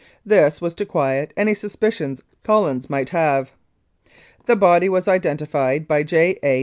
This was to quiet any suspicion Collins might have. "The body was identified by J. A.